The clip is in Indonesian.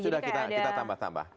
sudah kita tambah tambah